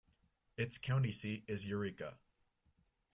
Its county seat is Eureka.